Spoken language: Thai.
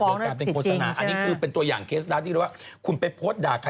เพราะการเป็นโฆษณาอันนี้คือเป็นตัวอย่างเคสด้านที่คุณไปโพสต์ด่าค่ะ